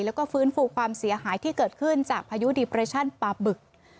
แล้วก็ฟื้นฟูความเสียหายที่เกิดขึ้นจากพายุดีเปรชั่นปาบึก